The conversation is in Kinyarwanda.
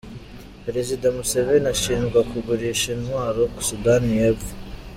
Perezida Museveni ashinjwa kugurisha intwaro Sudani y’Epfo